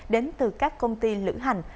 đến từ các công ty lữ hành